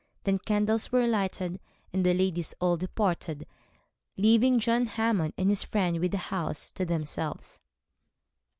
Then candles were lighted, and the ladies all departed, leaving John Hammond and his friend with the house to themselves.